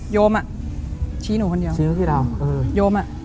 โยมอะชี้หนูคนเดียว